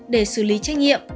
để xử lý trách nhiệm